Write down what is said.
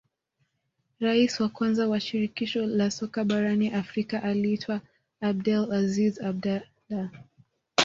rais wa kwanza wa shirikisho la soka barani afrika aliitwa abdel aziz abdalah